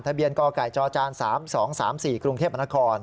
ทะเบียนกไก่จจ๓๒๓๔กรุงเทพมนคร